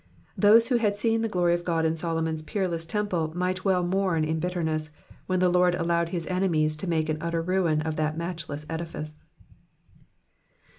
Those who had seen the glory of God in Solomon's peerless temple might well mourn in bitterness, when the Lord allowed his enemies to make an utter ruin of that matchless edifice.